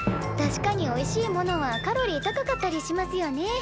たしかにおいしいものはカロリー高かったりしますよね。